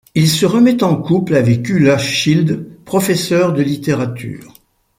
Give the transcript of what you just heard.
Il se remet en couple avec Ulla Schild, professeur de littérature.